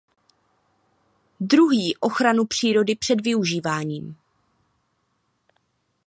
Druhý ochranu přírody před využíváním.